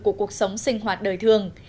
của cuộc sống sinh hoạt đời thường